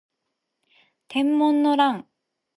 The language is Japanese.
天文の乱